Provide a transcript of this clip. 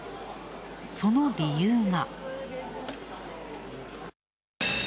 その理由が。